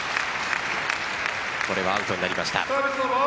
これはアウトになりました。